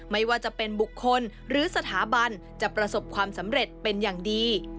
ไม่ว่าจะเป็นบุคคลหรือสถาบันจะประสบความสำเร็จเป็นอย่างดี